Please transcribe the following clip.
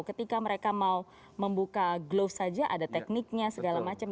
ketika mereka mau membuka glows saja ada tekniknya segala macam